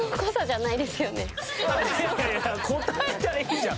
いやいや答えたらいいじゃん。